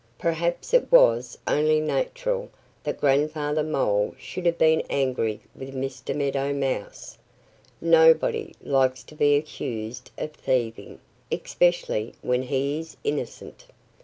Perhaps it was only natural that Grandfather Mole should have been angry with Mr. Meadow Mouse. Nobody likes to be accused of thieving especially when he is innocent.